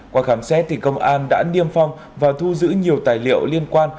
qua khám xét thì công an đã niêm phong và thu giữ nhiều tài liệu liên quan